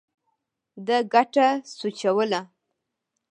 ده ګټه سوچوله.